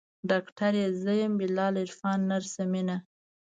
ډاکتر يې زه يم بلال عرفان نرسه مينه.